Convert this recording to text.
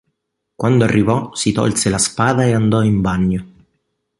Quando arrivò si tolse la spada e andò in bagno.